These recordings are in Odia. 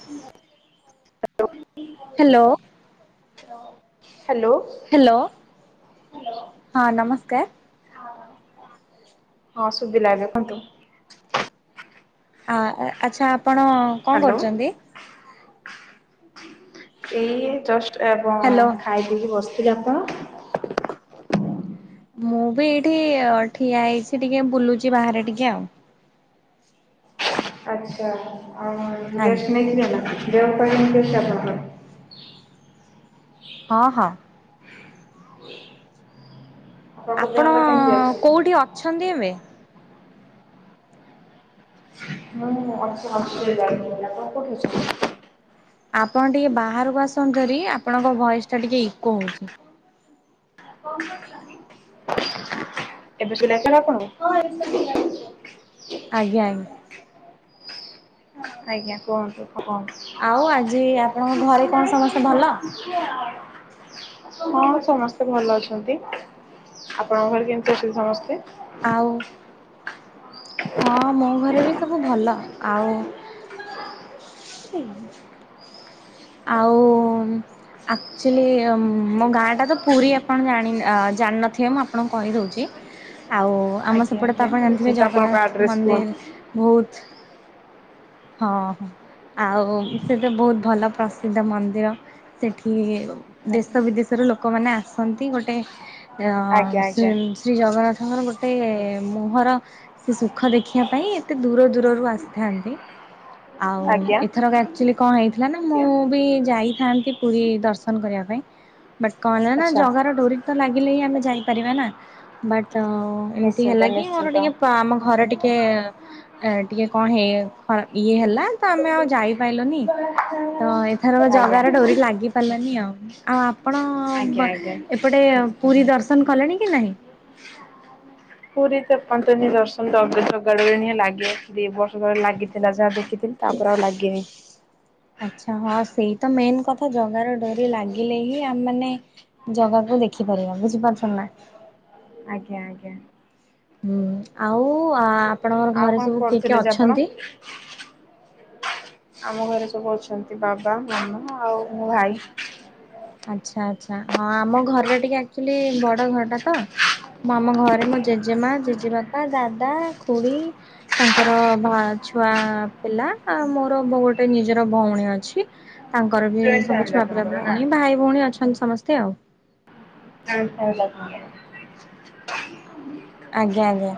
Hello hello. ହ୍ୟାଲୋ ହ୍ୟାଲୋ ହଁ ନମସ୍କାର। ହଁ ଶୁଭିଲା [unintelligible] ଦେଖନ୍ତୁ। ଆ ଆଚ୍ଛା ଆପଣ କଣ ହ୍ୟାଲୋ। କରୁଛନ୍ତି। [unintelligible] ଏଇ ଜଷ୍ଟ ଏବଂ ହ୍ୟାଲୋ ଖାଇ ପିଇକି ବସିଥିଲେ ଆପଣ। ମୁଁ ବି ଏଇଠି ଠିଆ ହେଇଛି ଟିକେ ବୁଲୁଛି ବାହାରେ ଟିକେ ଆଉ ଆଛା ଆଉ ରେଷ୍ଟ ଆଜ୍ଞା ନେଇଥିଲେ ନା ଦେହ ପାଅ କେମିତି ଅଛି ଆଣଙ୍କର। ହଁ ହଁ। ଆପଣଙ୍କ ଆପଣ ଦେହ ପା କେମିତି ଅଛି? କେଉଁଠି ଅଛନ୍ତି ଏବେ। ମୁଁ ଅଛି ଯାଇନି ଆପଣ କୋଓଠି ଅଛନ୍ତି। ଆପଣ ଟିକେ ବାହାରକୁ ଆସନ୍ତୁରି ଆପଣଙ୍କ ଭଏସ୍ଟା ଟିକେ ଇକୋ ହେଉଛି। [unintelligible] ଏବେ ସିଲେଇ କଲେ ଆପଣ [unintelligible] ଆଜ୍ଞା ଆଜ୍ଞା। ଆଜ୍ଞା କୁହନ୍ତୁ ଆଉ ଆଜି କୁହନ୍ତୁ। ଆପଣଙ୍କ ଘରେ କଣ ସମସ୍ତେ ଭଲ? [unintelligible] ହଁ ସମସ୍ତେ ଭଲ ଅଛନ୍ତି ଆପଣଙ୍କ ଘରେ କେମତି ଅଛନ୍ତି ସମସ୍ତେ। ଆଉ ହଁ ମୋ ଘରେ ବି ସବୁ ଭଲ ଆଉ। ଆଉ ଆ ଆଚୁଲି ମୋ ଗାଁଟା ତ ପୁରୀ ଆପଣ ଜାଣି ଜାଣିନଥିବେ ମୁଁ ଆପଣଙ୍କୁ କହିଦେଉଛି। ଆଉ ଆମ ଆଜ୍ଞା ସେପଟେ ଆଜ୍ଞା ତ ଆପଣ ଜାଣିଥିବେ ନିଶ୍ଚିନ୍ତ ଆପଣଙ୍କ ଜଗନ୍ନାଥ ଆଡ୍ରେସ କୁହନ୍ତୁ? ମନ୍ଦିର ବହୁତ। ହଁ ଆଉ ସେ ତ ବହୁତ ଭଲ ପ୍ରସିଦ୍ଧ ମନ୍ଦିର। ସେଠି ଆଜ୍ଞା ଦେଶ ବିଦେଶରୁ ଲୋକମାନେ ଆସନ୍ତି ଗୋଟେ। ଅ ଆଜ୍ଞା ଶ୍ରୀ ଶ୍ରୀ ଜଗନ୍ନାଥଙ୍କର ଗୋଟେ ମୁହର। ସେ ସୁଖ ଦେଖିବା ପାଇଁ ଏତେ ଦୂର ଦୂରରୁ ଆସିଥାନ୍ତି ଆଉ ଆଜ୍ଞା ଏଥର କା ଆକ୍ଚୁଲି କଣ ହେଇଥିଲା ନା ମୁଁ ବି ଯାଇଥାନ୍ତି ପୁରୀ ଦର୍ଶନ କରିବା ପାଇଁ ବଟ୍ କଣ ହେଲା ନା, ଆଚ୍ଛା ଜଗାର ଡୋରି ତ ଲାଗିଲେ ହିଁ ଆମେ ଯାଇପାରିବା ନା। ବଟ୍ ଏମତି ହେଲା ନିଶ୍ଚିନ୍ତ କି ମୋର ନିଶ୍ଚିନ୍ତ। ଟିକେ ପା ଆମ ଘର ଟିକେ ଅ ଟିକେ କଣ ହେଇ ଇଏ ହେଲା ତ ଆମେ ଆଉ ଯାଇପାଇଲୁନି। ତ ଏଥର ଆଜ୍ଞା ଜଗାର ଡୋରି ଲାଗି ହେଲାନି ଆଉ, ଆଉ ଆପଣ ଆଜ୍ଞା ବ ଆଜ୍ଞା ଏପଟେ ପୁରୀ ଦର୍ଶନ କଲେଣି କି ନାହିଁ। ପୁରୀ ତପ ତ ଦର୍ଶନ ଜଗା ର ଲାଗିନିଁ। ଦିଇ ବର୍ଷ ତଳେ ଲାଗିଥିଲା ଯାହା ଦେଖିଥିଲି। ତା ପରେ ଆଉ ଲାଗିନି। ଆଚ୍ଛା ହଁ, ସେଇ ତ ମେନ୍ କଥା ଜଗାର ଡୋରି ଲାଗିଲେ ହିଁ ଆମ ମାନେ ଜଗାକୁ ଦେଖି ପାରିବା ବୁଝିପାରୁଛ ନା। ଆଜ୍ଞା ଆଜ୍ଞା। ହୁଁ ଆଉ ଆପଣଙ୍କର ଆଉ ଘରେ କଣ ସବୁ କିଏ କରୁଥିଲେ କିଏ ଯେ ଆପଣ? ଅଛନ୍ତି? ଆମ ଘରେ ସବୁ ଅଛନ୍ତି ବାବା, ମାମା, ଆଉ ମୋ ଭାଇ। ଆଚ୍ଛା ଆଛା ହଁ ଆମ ଘରଟା ଟିକେ ଆକଚୁଆଲି ବଡ ଘର ଟା ତ ମୁଁ, ଆମ ଘରେ ମୋ ଜେଜେମା, ଜେଜେବାପା, ଦାଦା, ଖୁଡ଼ି ତାଙ୍କର ଭା ଛୁଆ ପିଲା ଆଉ ମୋର ଗୋଟେ ନିଜର ଭଉଣୀ ଅଛି। ତାଙ୍କର ବି ଜଏଣ୍ଟ ସବୁ ଫ୍ୟାମିଲି ଛୁଆ ପିଲା, ଆପଣଙ୍କର ନା? ଭଉଣୀ, ଭାଇ ଭଉଣୀ ଅଛନ୍ତି ସମସ୍ତେ ଆଉ। ହଁ, [unintelligible] ଆଜ୍ଞା ଆଜ୍ଞା।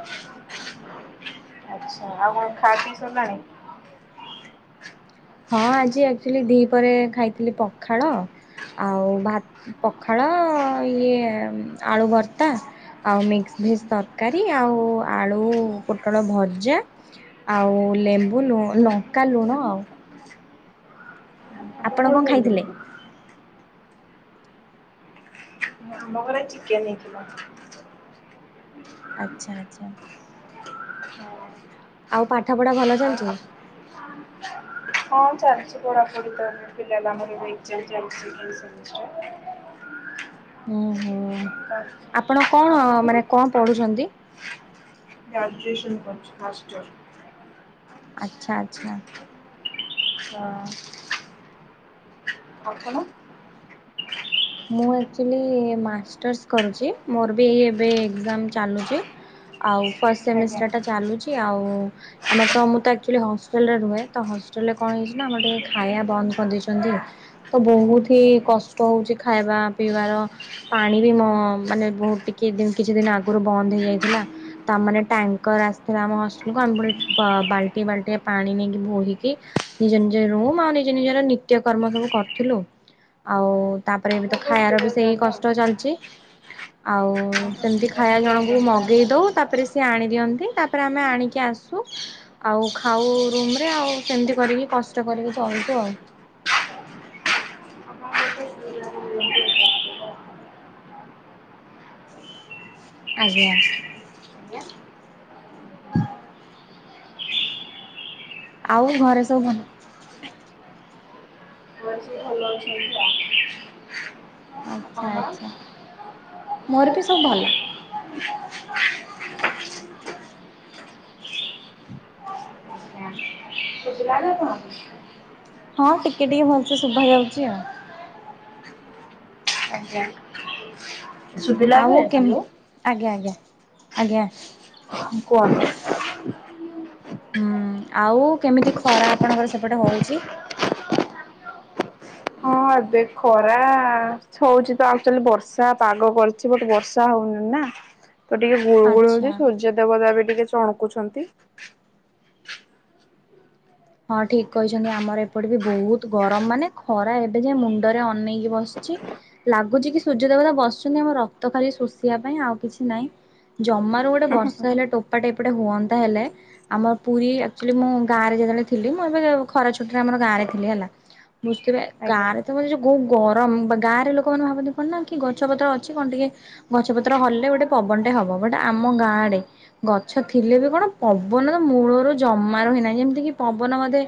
ଆଚ୍ଛ! ଆଉ କଣ ଖାଇ ପିଇ ସାରିଲାଣି? ହଁ, ଆଜି ଆକଚୁଆଲି ଦିହି ପରେ ଖାଇଥିଲି ପଖାଳ ଆଉ ଭା ପଖାଳ ଇଏ ଆଳୁ ଭର୍ତ୍ତା। ଆଉ ମିକ୍ସ ଭେଜ ତରକାରୀ ଆଉ ଆଳୁ ପୋଟଳ ଭଜା ଆଉ ଲେମ୍ବୁ ଲୁ ଲଙ୍କା ଲୁଣ ଆଉ। ଆପଣ କଣ ଖାଇଥିଲେ? ଆମ ଘରେ ଚିକେନ୍ ହେଇଥିଲା। ଆଚ୍ଛା ଆଚ୍ଛା। ଆଉ ପାଠ ପଢା ଭଲ ଚାଲିଚି? ହ [unintelligible] ହଁ ଚାଲିଛି ପଢାପଢି ତ ପିଲା ମାନଙ୍କର ଏଜାମ୍ ଚାଲିଚି ଓୁ ହୋ ଆପଣ କଣ ଆପଣଙ୍କର? ମାନେ କଣ ପଢୁଛନ୍ତି? ଗ୍ରାଜୁଏସନ୍ କରୁଚି ଫାଷ୍ଟ ଇଅର। ଆଚ୍ଛା ଆଚ୍ଛା। ହଁ। ଆପଣ? ମୁଁ ଏକ୍ଟୁଆଲି ମାଷ୍ଟର୍ସ କରୁଛି। ମୋର ବି ଏ ଏବେ ଏକ୍ଜାମ ଚାଲୁଚି। ଆଉ ଫାଷ୍ଟ ଆଜ୍ଞା। ସେମିଷ୍ଟର ଟା ଚାଲୁଛି ଆଉ ଆମର ତ ମୁଁ ତ ଆକ୍ଚୁଆଲି ହଷ୍ଟେଲରେ ରୁହେ ତ ହଷ୍ଟେଲ ରେ କଣ ହେଇଛି ନା ଆମର ଟିକେ ଖାଇବା ବନ୍ଦ କରିଦେଇଛନ୍ତି ଆଉ। ତ ବହୁତି କଷ୍ଟ ହଉଚି ଖାଇବା ପିଇବାର ପାଣି ବି ମ ମାନେ ବହୁତ ଟିକେ ଦିନ କିଛି ଦିନ ଆଗରୁ ବନ୍ଦ ହେଇଯାଇଥିଲା। ତା, ମାନେେ ଟ୍ୟାଙ୍କର ଆସିଥିଲା ଆମ ହଷ୍ଟେଲକୁୁ ଆମେ ପୁଣି ପ ବାଲ୍ଟି ବାଲ୍ଟି ପାଣି ନେଇକି ବୋହିକି ନିଜ ନିଜ ରୁମ୍ ଆଉ ନିଜ ନିଜର ନିତ୍ୟକର୍ମ ସବୁ କରୁଥିଲୁ। ଆଉ ତା, ପରେ ଏବେ ତ ବହୁତ ଖାଇବାର ଅସୁବିଧା ବି ସେଇ ତାହେଲେ ଆଉ। କଷ୍ଟ ଚାଲିଛି ଆଉ ବହୁତ ସେମତି ଅସୁବିଧା ହିଁ ଖାଇବା ଜଣ ପ୍ରୋବ୍ଲେମ୍ ତାହେଲେ। ମଗେଇ ଦଉ ତା, ପରେ ସି ଆଣି ଦିଅନ୍ତି। ତାପରେ ଆମେ ଆଣିକି ଆସୁ ଆଉ ଖାଉ ରୁମ ରେ ଆଉ ସେମିତି କରିକି କଷ୍ଟ କରିକି ଚଳୁଛୁ ଆଉ। [unintelligible] ଆଜ୍ଞା। [unintelligible] ଆଉ ଘରେ ସବୁ ଭଲ ଘରେ ସବୁ ଭଲ ଅଛନ୍ତି ତା ଆଚ୍ଛା ଆଚ୍ଛା ମୋର ବି ସବୁ ଭଲ। ଶୁଭିଲା ଏବେ ଆପଣଙ୍କୁ? ହଁ ଟିକେ ଟିକେ ଭଲସେ ଶୁଭା ଯାଉଛି ଆଉ। ଆଜ୍ଞା ସୁବି ଆଉ କେମ୍ ଆଜ୍ଞା ଆଜ୍ଞା ଆଜ୍ଞା। କୁଅନ୍ତୁ। ହୁଁ ଆଉ କେମିତି ଖରା ଆପଣଙ୍କର ସେପଟେ ହଉଛି? ହଁ ଏବେ ବି ଖରା ହଉଛି ତ ଆକ୍ଚୁଆଲି ବର୍ଷା ପାଗ କରିଛି ବୋ ବର୍ଷା ହଉନି ନା। ତ ଟିକେ ଗୁଳୁ ଗୁଳ ହଉଛି ଆଚ୍ଛା ସୂର୍ଯ୍ୟ ଦେବତା ବି ଟିକେ ଚଡକୁଛନ୍ତି। ହଁ ଠିକ୍ କହିଛନ୍ତି ଆମର ଏପଟେ ବି ବହୁତ ଗରମ ମାନେ ଖରା ଏତ୍ ଏ ଯେ ମୁଣ୍ଡରେ ଅନେଇକି ବସିଚି। ଲାଗୁଚି କି ସୂର୍ଯ୍ୟ ଦେବତା ବସିଛନ୍ତି ଆମ ରକ୍ତ ଖାଲି ଶୋଷିବା ପାଇଁ ଆଉ କିଛି ନାହିଁ ଜମାରୁ ଗୋଟେ ବର୍ଷ ହେଲେ ଟୋପା ଟେପଟେ ହୁଅନ୍ତା ହେଲେ ଆମ ପୁରୀ ଆକ୍ଚୂ ଆଲୀ ମୁ ଗାଁରେ ଯେତେ ବେଳେ ଥିଲି। ମୁଁ ଏବେ ଖରା ଛୁଟି ରେ ଆମର ଗାଁରେ ଥିଲେ ହେଲା ବୁଝିଥିବେ ଆଜ୍ଞା। ଗାଁରେଥିଲି। ତମ ଯେଉଁ ଗୌ ଗରମ ବା ଗାଁରେ ଲୋକମାନେ ଭାବନ୍ତି କଣ ନା କି ଗଛପତ୍ର ଅଛି କଣ ଟିକେ ଗଛ ପତ୍ର ହଲିଲେ ଗୋଟେ ପବନଟେ ହବ ବଟ ଆମ ଗାଁ ଆଡ଼େ। ଗଛ ଥିଲେ ବି କଣ ପବନ ମୂଳରୁ ଜମାରୁ ହିଁ ନାହିଁ ଯେମିତି କି ପବନ ବୋଧେ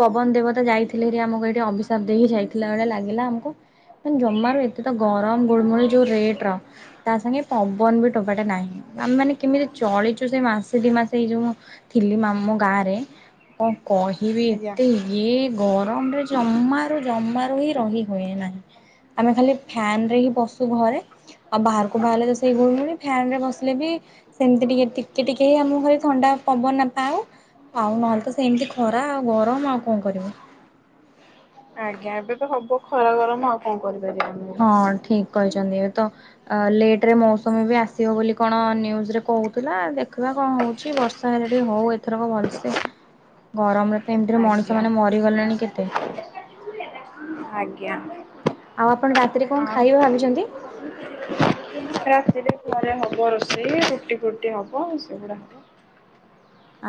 ପବନ ଦେବତା ଯାଇଥିଲେ ବାହାରି ଆମକୁ ଏଇଠି ଅବସାପ ଗାଧେଇକି ଯାଇଥିଲା ଭଳିଆ ଲାଗିଲା ଆମକୁ ଜମାରୁ ଏ ତ ଗରମ ଗୁଳମୁଲୀ ଯଉ ରେଟେ ର ତା ସାଙ୍ଗେ ପବନ ବି ଟୋପାଟେ ନାହିଁ ଆମେ ମାନେ କେମିତି ଚଳିଛୁ ସେ ମାସେ ଦି ମାସେ ଏଇ ଯୋଉ ଥିଲି ମାମୁଁ ଗାଁ ରେ। କଣ କହିବି ଆଜ୍ଞା ଏତେ ଇଏ ଗରମ ରେ ଜମାରୁ ଜମାରୁ ହିଁ ରହି ହୁଏ ନା ଆମେ ଖାଲି ଫ୍ୟାନ ରେ ହିଁ ବସୁ ଘରେ। ଆଉ ବାହାରକୁ ବାହାରିଲେ ଯେ ସେଇ ଗୁଳୁଗୁଳି। ଫ୍ୟାନ ରେ ବସିଲେ ବି ସେମିତି ଟିକେ ଟିକେ ଟିକେ ହିଁ ଆମ ଘରେ ଥଣ୍ଡା ପବନ ପାଉ। ଆଉ ନହଲ ତ ସେମିତି ଖରା ଆଉ ଗରମ ଆଉ କଣ କରିବ। ଆଜ୍ଞା ଏବେ ତ ହବ ଖରା ଗରମ ଆଉ କଣ କରିପାରିବା। ଆମେ। ହଁ ଠିକ୍ କହିଛନ୍ତି ଏ ତ ଆ ଲେଟ ରେ ମୌସୁମୀ ବି ଆସିବ ବୋଲି କଣ ନିୟୁଜୁ ରେ କହୁଥିଲା ଦେଖିବା କଣ ହଉଛି ବରଷ। ସାହେଲେ ଟିକେ ମୁଁ ଏଥରକ ଭଲସେ। [unintelligible] ଗରମରେ ତ ଏମିତିରେ ମଣିଷ ଆଜ୍ଞା ମାନେ ମରିଗଲେଣି କେତେ। ଆଜ୍ଞା। ଆଉ ଆପଣ ରାତିରେ କଣ ଆଉ ଖାଇବେ ଭାବିଛନ୍ତି? ଖାଇବାକୁ ଦିନରେ ଘରେ ହବ ରୋଷେଇ ରୁଟି ଫୁଟି ହବ ସେଗୁଡା ହବ।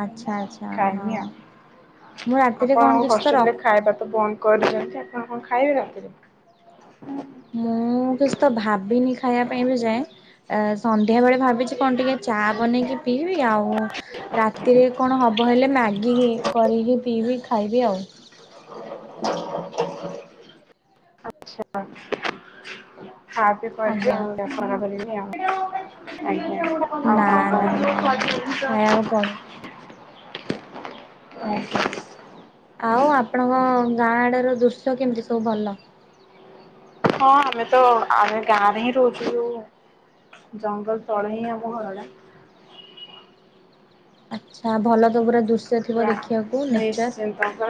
ଆଚ୍ଛା ଆଚ୍ଛା କାମିଆଁ। ହଁ। ମୁଁ ରାତିରେ କଣ କିଛି ଆପଣଙ୍କ ତ ର ହଷ୍ଟେଲରେ ଖାଇବା କୁ ବନ୍ଦ। କୋଉଠି ଶୋଉଚ ଆପଣ କଣ ଖାଇବେ ରାତିରେ? ମୁଁ କିଛି ତ ଭାବିନି ଖାଇବା ପାଇଁ ବିଏବେ ଯାଏଁ ଏ ସନ୍ଧ୍ୟା ବେଳେ ଭାବିଛି କଣ ଟିକିଏ ଚା ବନେଇକି ପିଇବି ଆଉ ରାତିରେ କଣ ହେବ ହେଲେ ମ୍ୟାଗି କରିକି ପିଇବି ଖାଇବି ଆଉ। ସେପଟ ଖାପିକରିବି ଆଉଗେଟେ ଆଜ୍ଞା ଖରାପ ହେଲାଣି ଆଉ ଆଜ୍ଞ ନା ଆଉ ନା ହଁ କଣ ଖାଇବାକୁ କୁହ? ପଡେ। ଆ। ଆଉ ଆପଣଙ୍କ ଗାଁ ଆଡ ର ଦୃଶ୍ୟ କେମିତି ସବୁ ଭଲ? ହଁ ଆମେ ତ ଆମେ ଗାଁରେ ହିଁ ରହୁଛୁ। ଜଙ୍ଗଲ ତଳେ ହିଁ ଆମ ଘରଟା। ଆଚ୍ଛା ଭଲ ତ ପୁରା ଦୃଶ୍ୟ ଥିବ ଦେଖିବାକୁ ନେଚର୍। ତାପରେ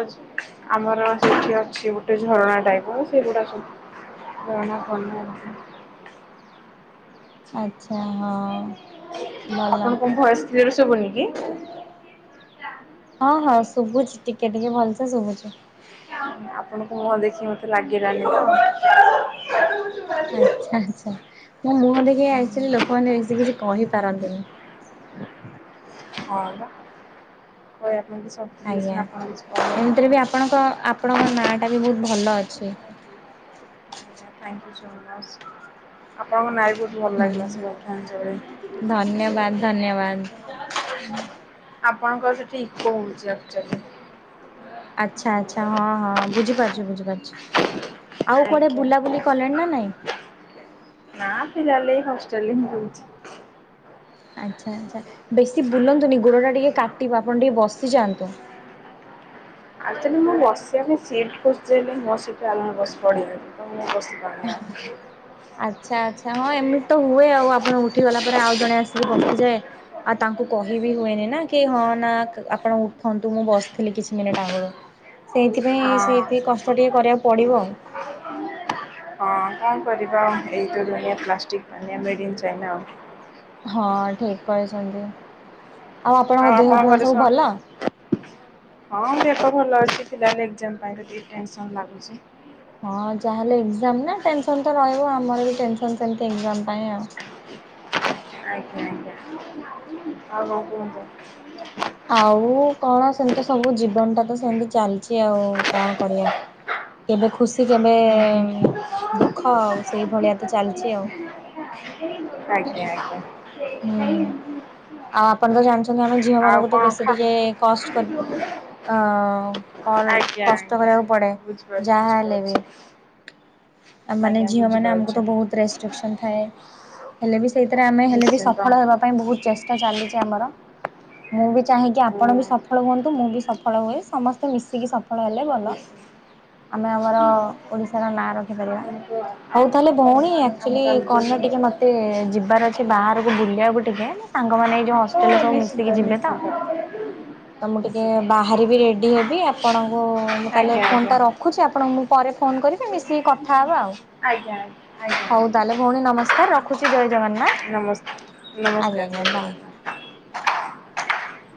ଆମର ସେଠି ଅଛି ଗୋଟେ ଝରଣା ଟାଇପ୍ ର ସେଇଗୁଡା ସବୁ। [unintelligible] ଆଚ୍ଛା ହଁ। ଭଲ। ଆପଣଙ୍କ ଭଏସ କ୍ଳିଅର ସୁବୁନି କି? ହଁ ହଁ ଶୁଭୁଛି ଟିକେ ଟିକେ ଭଲସେ ଶୁଭୁଛି। ଆପଣଙ୍କୁ ମୁହଁ ଦେଖି ମତେ ଲାଗିଲାନି ତ। କହିବା ପାଇଁ ଆଛା ଆଛା। ମୁହଁ ଦେଖି ଆଇଥିଲି ଲୋକମାନେ ବେଶି କିଛି କହିପାରନ୍ତିନି। [inaudible] ହଁ ପା [unintelligible] ସବୁ ଆଜ୍ଞା ଏମିତିରେ ବି ଆପଣଙ୍କ ଆପଣଙ୍କ ନା ଟା ବି ବହୁତ ଭଲ ଅଛି। ଥାଇଙ୍କୟୁ ଶୋ ମଚ ଆପଣଙ୍କ ନାରେ ଯୋଉ ଭଲ ହୁଁ ଲାଗିଲା ଧନ୍ୟବାଦ ଧନ୍ୟବାଦ। [unintelligible] ଆପଣଙ୍କର ସେଠି ଇକୋ ହୋଉଛି ଆକ୍ଚୁଆଲି। ଆଚ୍ଛା ଆଚ୍ଛା ହଁ ହଁ ବୁଝିପାରୁଛୁ ବୁଝିପାରୁଛୁ ଆଉ କୁଆଡେ ବୁଲାବୁଲି କଲେଣି ନା ନାଇଁ? ନାଁ ପିଲାଲେ ହୋଷ୍ଟଲଛି ରେ ହିଁ ରହୁଚି। ଆଚ୍ଛା ଆଚ୍ଛା ବେଶୀ ବୁଲନ୍ତୁନି ଗୋଡ଼ଟା ଟିକେ କାଟିବ ଆପଣ ଟିକେ ବସିଯାଆନ୍ତୁ। ଆକ୍ଚୁଆଲି ମୁଁ ବସିବା ପାଇଁ ସିଟ୍ ଖୋଜୁଛି ହେଲେ ମୋ ସିଟ୍ ରେ ଆଉ ଜଣେ ବସିପଡିବେ। ତ ମୁଁ ବସି ନିଅ। ଆଚ୍ଛା ଆଚ୍ଛା ହଁ ଏମିତି ତ ହୁଏ ଆଉ ଆପଣ ଉଠି ଗଲା ପରେ ଆଉ ଜଣେ ଆସିକି ବସିଯାଏ। ଆଉ ତାଙ୍କୁ କହିବି ହୁଏନି ନା କି ହଁ ନା ଆପଣ ଉଠନ୍ତୁ ମୁଁ ବସ ଥିଲି କିଛି ମିନିଟ୍ ଆଗରୁ ସେଇଥିପାଇଁ ସେତିକି କଷ୍ଟ ଟିକେ କରିବାକୁ ପଡିବ। ହୁଁ [inaudible] ହଁ କଣ କରିବା ଏଇ ତ ଦୁନିଆ ପ୍ଲାଷ୍ଟିକ ପାନିଆ ମେଡ ଇନ୍ ଚାଇନା ଆଉ। ହଁ ଠିକ୍ କରିଛନ୍ତି ଆଉ ଆପଣଙ୍କ ଦେହ ଫେହ ସବୁ ଭଲ? ହଁ ଦେହ ଭଲ ଅଛି ଥିଲା ବୋଲି ଏକ୍ଜାମ୍ ପାଇଁ ଟିକେ ଟେନସନ ଲାଗୁଛି। ହଁ ଯାହାହେଲେ ଏକ୍ଜାମ ନା ଟେନସନ ତ ରହିବ ଆମର ବି ଟେନସନ ସେମତି ଏକ୍ଜାମ ପାଇଁ ଆଉ। ଆଜ୍ଞା ଆଜ୍ଞା ଆଉ କଣ କୁହନ୍ତୁ? ଆଉ କଣ ସେମିତି ସବୁ ଜୀବନଟା ତ ସେମିତି ଚାଲିଛି ଆଉ କଣ କରିବା। କେବେ ଖୁସି କେବେ [unintelligible] ଉଁ ହୁଁ। ଦୁଃଖ ଆଉ ସେଇଭଳିଆ ତ ଚାଲିଛି ଆଉ। ଆଜ୍ଞା ଆଜ୍ଞା ହୁଁ ଆଉ ଆପଣ ତ ଜାଣିଛନ୍ତି ଆମେ ଝିଅ ଆଉ ମାନଙ୍କୁ ତ କଣ ବେଶୀ ଖା ଟିକେ କଷ୍ଟ କରି ଅ ଆଜ୍ଞା କଷ୍ଟ ଆଜ୍ଞା କରିବାକୁ ପଡେ ବୁଝିପାରୁଛି ଯାହା ହେଲେ ବି। ବୁଝିପାରୁଛି ଆ ମାନେ ଆଜ୍ଞା ଝିଅମାନେ ଆମକୁ ବୁଝିପାରୁଛି ତ ବହୁତ ରେଷ୍ଟ୍ରିକସନ୍ ଥାଏ। ହେଲେ ବି ସେଇଥିରେ ଆମେ ହେଲେ ବି ନିଶ୍ଚିନ୍ତ ସଫଳ ହେବା ପାଇଁ ବହୁତ ଚେଷ୍ଟା ଚାଲିଛି ଆମର। ମୁଁ ବି ଚାହିଁକି ହୁଁ ଆପଣ ବି ସଫଳ ହୁଅନ୍ତୁ ମୁଁ ବି ସଫଳ ହୁଏ। ସମସ୍ତେ ମିଶିକି ସଫଳ ହେଲେ ଭଲ। ନିଶ୍ଚିନ୍ତ ଆମେ ଆମର ଓଡିଶାର ନାଁ ରଖିପାରିବା ଆପଣଙ୍କ ହଉ ତାହେଲେ ଭଉଣୀ ଆପଣଙ୍କ ଆମ ଆକ୍ଚୁଆଲି କଣନା କାର୍ଯ୍ୟରେ ଟିକେ ମତେ ଯିବାର ଅଛି ବାହାରକୁ ବୁଲିବାକୁ ଟିକେ ମୋ ସାଙ୍ଗମାନେ ଏଇ ହଷ୍ଟେ ଓ ଷ୍ଟେଲ ସବୁ ନିଶ୍ଚିନ୍ତ ମିଶିକି ଯିବେ ତ ନିଶ୍ଚିନ୍ତ ତ ମୁଁ ଟିକେ ନିଶ୍ଚିନ୍ତ ବାହାରିବି ରେଡି ହେବି ଆପଣଙ୍କୁ ମୁଁ ତାହେଲେ ଆଜ୍ଞା ଫୋନ୍ ଆଜ୍ଞା ଟା ରଖୁଛି ଆପଣଙ୍କୁ ମୁଁ ପରେ ଫୋନ୍ କରିବି ମିଶିକି କଥାହବା ଆଉ ଆଜ୍ଞା ଆଜ୍ଞା ହଉ। ତାହେଲେ ଭଉଣୀ ନମସ୍କାର ରଖୁଛି ଜୟ ଜଗନ୍ନାଥ। ନମସ୍ ଆଜ୍ଞା ନମସ୍କାର ଜୟ ଆଜ୍ଞା ବାଏ। ଜଗନ୍ନାଥ।